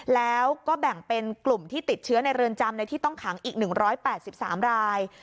แล้วก็แบ่งเป็นกลุ่มที่ติดเชื้อในเรือนจำในที่ต้องขังอีก๑๘๓ราย